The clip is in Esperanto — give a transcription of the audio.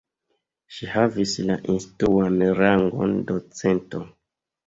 Ŝi havis la instruan rangon docento.